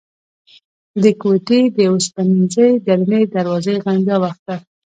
د کوټې د اوسپنيزې درنې دروازې غنجا وخته.